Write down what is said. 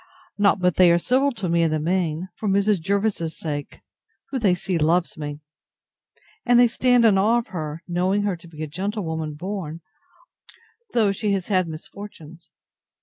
Not but they are civil to me in the main, for Mrs. Jervis's sake, who they see loves me; and they stand in awe of her, knowing her to be a gentlewoman born, though she has had misfortunes.